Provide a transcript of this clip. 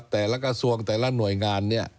แต่ละกระทรวงแต่ละหน่วยงาน